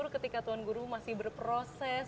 ketika tuan guru masih berproses